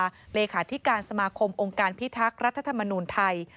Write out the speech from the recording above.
เลขาธิการสมาคมองค์การพิทักษ์รัฐธรรมนูลไทย